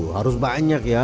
harus banyak ya